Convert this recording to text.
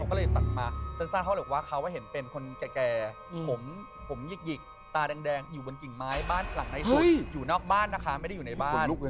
ก็เลยตัดมาสั้นเขาบอกว่าเขาเห็นเป็นคนแก่ผมหยิกตาแดงอยู่บนกิ่งไม้บ้านหลังในสุดอยู่นอกบ้านนะคะไม่ได้อยู่ในบ้าน